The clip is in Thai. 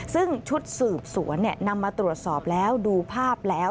ซึ่งชุดสืบสวนนำมาตรวจสอบแล้วดูภาพแล้ว